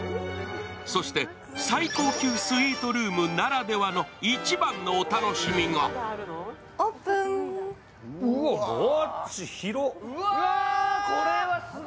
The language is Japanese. そして最高級スイートルームならではの一番のお楽しみが広っ！